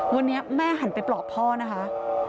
วันนี้แม่หันไปปลอบพ่อนะคะ